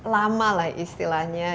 lama lah istilahnya